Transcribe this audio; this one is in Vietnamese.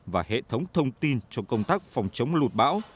và hệ thống thông tin cho công tác phòng chống lụt bão